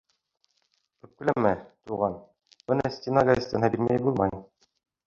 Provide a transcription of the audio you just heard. Үпкәләмә, туған, быны стена газетаһына бирмәй булмай.